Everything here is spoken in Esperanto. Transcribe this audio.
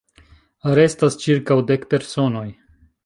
Restas ĉirkaŭ dek personoj.